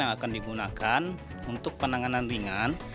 yang akan digunakan untuk penanganan ringan